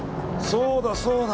そうだ、そうだ。